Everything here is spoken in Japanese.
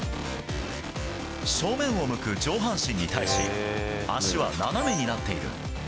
正面を向く上半身に対し足は斜めになっている。